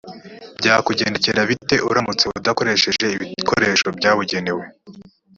byakugendekera bite uramutse udakoresheje ibikoresho byabugenewe?